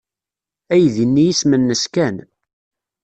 Aydi-nni isem-nnes Ken.